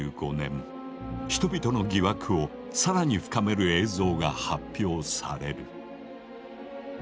人々の疑惑を更に深める映像が発表される。